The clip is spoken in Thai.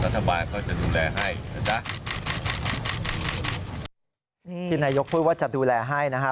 ที่นายกพูดว่าจะดูแลให้นะฮะ